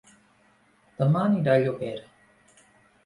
Dema aniré a Llobera